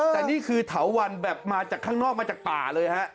แต่นี่คือเถาวันแบบมาจากข้างนอกมาจากป่าเลยฮะ